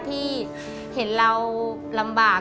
ที่เห็นเราลำบาก